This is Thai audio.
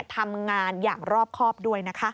ทำงานอย่างรอบครอบด้วยนะคะ